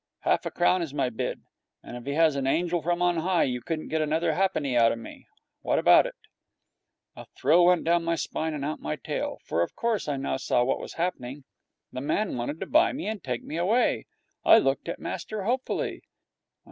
'Half a crown is my bid, and if he was an angel from on high you couldn't get another ha'penny out of me. What about it?' A thrill went down my spine and out at my tail, for of course I saw now what was happening. The man wanted to buy me and take me away. I looked at master hopefully.